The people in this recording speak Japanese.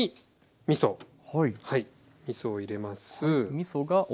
みそを入れます。